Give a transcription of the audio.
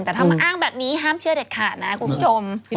ทำอ้างแบบนี้ห้ามเชื่อจดข่าวนะคุณผู้ชม